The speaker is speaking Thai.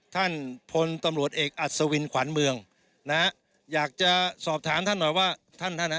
ท่านพลตำรวจเอกอัศวินขวัญเมืองนะฮะอยากจะสอบถามท่านหน่อยว่าท่านท่านอ่ะ